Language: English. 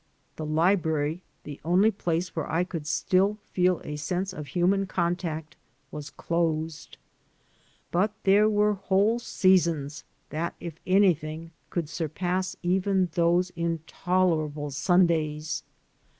The library — the only place where I could still feel a sense of human contact — was closed. But there were whole seasons that, if anything could, surpassed even those intolera ble Sundays.